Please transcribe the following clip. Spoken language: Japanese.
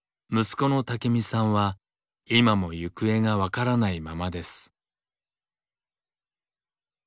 息子の武身さんは今も行方が分からないままです。